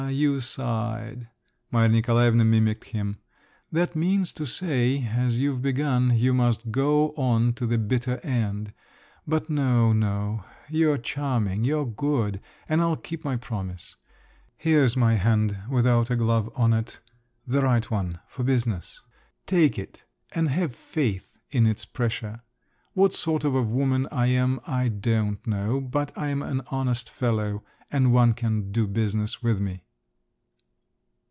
You sighed!" Maria Nikolaevna mimicked him. "That means to say, as you've begun, you must go on to the bitter end. But no, no…. You're charming, you're good, and I'll keep my promise. Here's my hand, without a glove on it, the right one, for business. Take it, and have faith in its pressure. What sort of a woman I am, I don't know; but I'm an honest fellow, and one can do business with me."